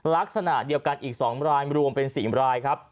ลักษณะเดียวกันอีก๒รายรวมเป็น๔รายครับ